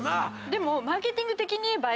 でもマーケティング的にいえば。